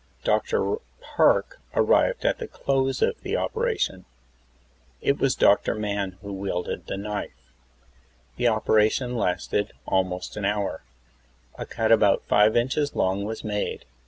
Dr. Park arrived at the close of the operation. It was Dr. Mann who v/ielded the knife. The operation lasted almost an hour. A cut about five inches long was made.